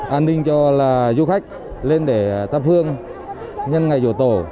an ninh cho là du khách lên để tập hương nhân ngày vô tổ